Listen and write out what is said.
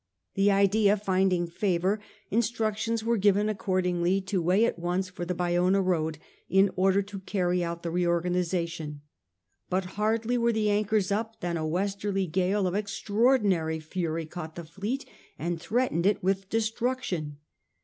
The idea finding favour, instructions were given accordingly to weigh at once for the Bayona road in order to carry out the reorganisation, but hardly were the anchors up than a westerly gale of extraordinary fury caught the fleet and threatened it with destruction.